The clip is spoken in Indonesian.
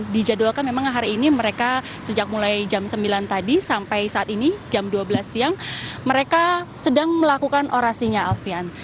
dijadwalkan memang hari ini mereka sejak mulai jam sembilan tadi sampai saat ini jam dua belas siang mereka sedang melakukan orasinya alfian